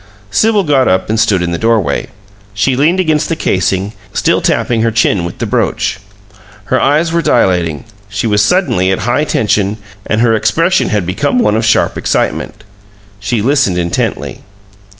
Sibyl got up and stood in the doorway. She leaned against the casing, still tapping her chin with the brooch. Her eyes were dilating; she was suddenly at high tension, and her expression had become one of sharp excitement. She listened intently.